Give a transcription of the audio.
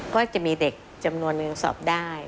ก็จะมีเด็กจำนวนนึงสอบได้